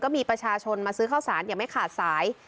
มีประชาชนมาซื้อข้าวสารอย่างไม่ขาดสาย